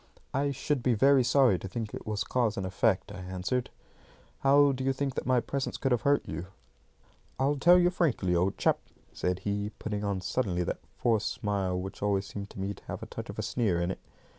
"I should be very sorry to think it was cause and effect," I answered. "How do you think that my presence could have hurt you?" "I'll tell you frankly, old chap," said he, putting on suddenly that sort of forced smile which always seems to me to have a touch of a sneer in it.